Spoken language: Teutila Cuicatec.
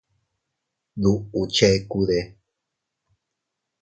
¿Duʼu chekude?